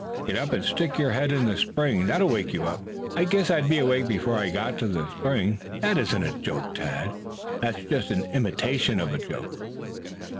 "Get up and stick your head in the spring. That will wake you up." "I guess I'd be awake before I got to the spring. That isn't a joke, Tad. That's just an imitation of a joke."